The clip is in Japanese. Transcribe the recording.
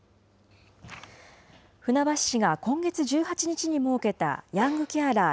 船橋市が今月１８日に設けたヤングケアラー